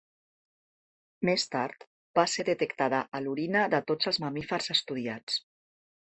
Més tard va ser detectada a l'orina de tots els mamífers estudiats.